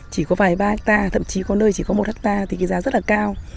chỉ có vài ba hecta thậm chí có nơi chỉ có một hecta thì cái giá rất là cao